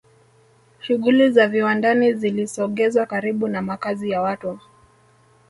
shughuli za viwandani zilisogezwa karibu na makazi ya watu